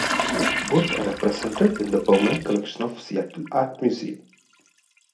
Both are represented in the permanent collection of the Seattle Art Museum.